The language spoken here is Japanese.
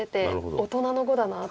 大人の碁だなっていう。